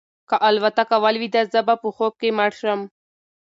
که الوتکه ولویده زه به په خوب کې مړ شم.